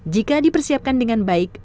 jika dipersiapkan dengan baik